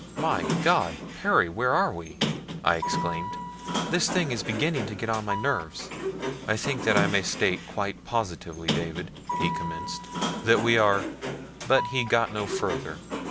"My God, Perry, where are we?" I exclaimed. "This thing is beginning to get on my nerves." "I think that I may state quite positively, David," he commenced, "that we are " but he got no further.